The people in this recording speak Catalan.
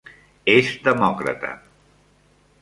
És demòcrata.